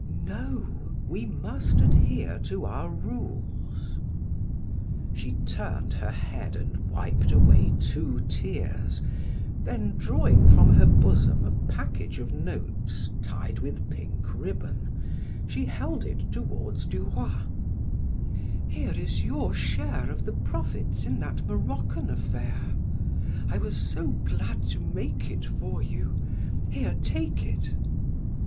"No, we must adhere to our rules." She turned her head and wiped away two tears, then drawing from her bosom a package of notes tied with pink ribbon, she held it toward Du Roy: "Here is your share of the profits in that Moroccan affair. I was so glad to make it for you. Here, take it."